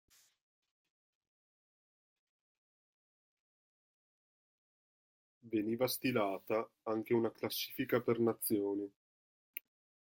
Veniva stilata anche una classifica per nazioni.